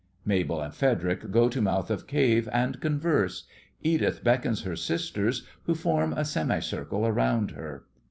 (MABEL and FREDERIC go to mouth of cave and converse. EDITH beckons her sisters, who form a semicircle around her.)